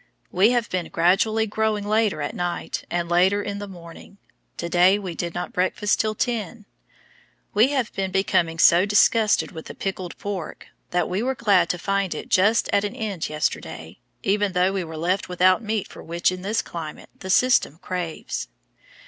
We have been gradually growing later at night and later in the morning. To day we did not breakfast till ten. We have been becoming so disgusted with the pickled pork, that we were glad to find it just at an end yesterday, even though we were left without meat for which in this climate the system craves.